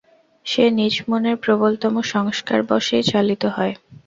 সে নিজ মনের প্রবলতম সংস্কারবশেই চালিত হয়।